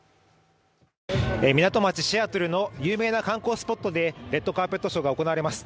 港町シアトルの有名な観光スポットで、レッドカーペットショーが行われます。